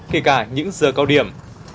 kể cả những giờ cao điểm